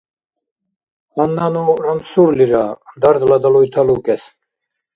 Гьанна ну рамсурлира, дардла далуйта лукӏес